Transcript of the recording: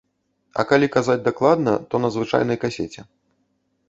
А калі казаць дакладна, то на звычайнай касеце.